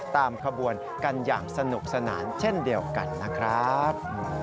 ตามขบวนกันอย่างสนุกสนานเช่นเดียวกันนะครับ